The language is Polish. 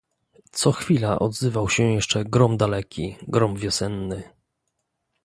"Co chwila odzywał się jeszcze grom daleki, grom wiosenny..."